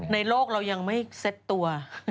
โลกเรายังไม่เซ็ตตัว